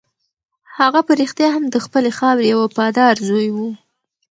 هغه په رښتیا هم د خپلې خاورې یو وفادار زوی و.